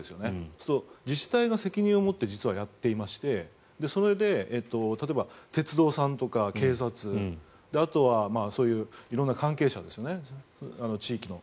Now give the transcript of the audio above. そうすると自治体が責任を持って実はやっていましてそれで、例えば鉄道さんとか警察あとはそういう色んな関係者ですよね、地域の。